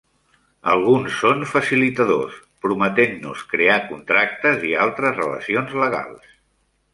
Alguns són facilitadors, prometent-nos crear contractes i altres relacions legals.